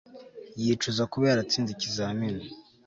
Yicuza kuba yaratsinze ikizamini